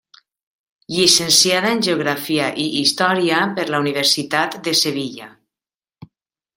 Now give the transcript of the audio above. Llicenciada en Geografia i Història per la Universitat de Sevilla.